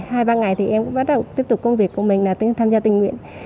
hai ba ngày thì em cũng bắt đầu tiếp tục công việc của mình là tham gia tình nguyện